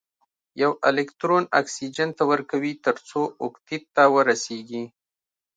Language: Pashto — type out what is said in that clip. یو الکترون اکسیجن ته ورکوي تر څو اوکتیت ته ورسیږي.